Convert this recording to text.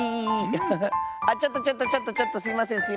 あっちょっとちょっとちょっとちょっとすいませんすいません。